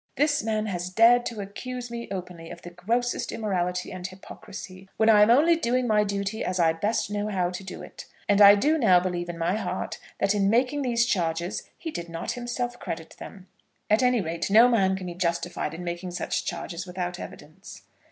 This man has dared to accuse me openly of the grossest immorality and hypocrisy, when I am only doing my duty as I best know how to do it; and I do now believe in my heart that in making these charges he did not himself credit them. At any rate, no man can be justified in making such charges without evidence."